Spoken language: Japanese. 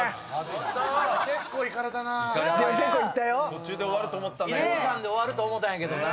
途中で終わると思ったんだけどな。